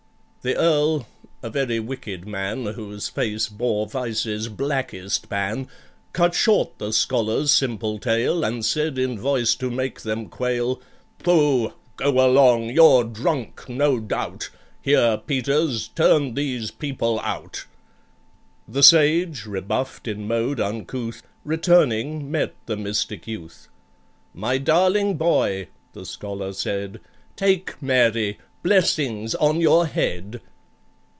The Earl (a very wicked man, Whose face bore Vice's blackest ban) Cut short the scholar's simple tale, And said in voice to make them quail, "Pooh! go along! you're drunk, no doubt— Here, PETERS, turn these people out!" The Sage, rebuffed in mode uncouth, Returning, met the Mystic Youth. "My darling boy," the Scholar said, "Take MARY—blessings on your head!"